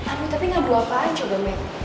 aduh tapi ngadu apaan coba men